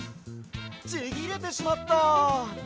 ちぎれてしまった！